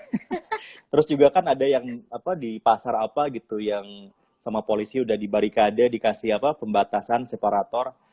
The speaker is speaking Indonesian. terus juga kan ada yang apa di pasar apa gitu yang sama polisi udah di barikade dikasih pembatasan separator